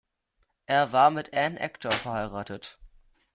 Er war mit Ann Ector verheiratet.